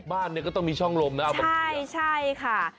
บ้านเนี่ยก็ต้องมีช่องลมนะใช่ค่ะ